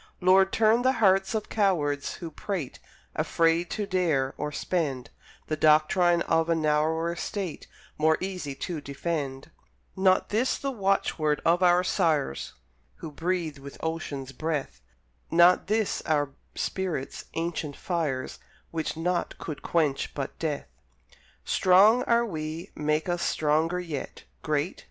Lord, turn the hearts of cowards who prate, Afraid to dare or spend, The doctrine of a narrower state More easy to defend; Not this the watchword of our sires, Who breathed with ocean's breath, Not this our spirit's ancient fires, Which naught could quench but death. Strong are we? Make us stronger yet; Great?